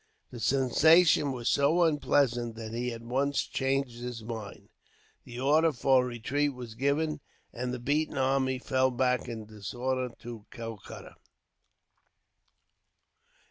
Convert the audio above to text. The sensation was so unpleasant that he at once changed his mind. The order for retreat was given, and the beaten army fell back, in disorder, to Calcutta.